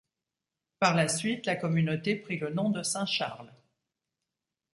Par la suite la communauté prit le nom de St-Charles.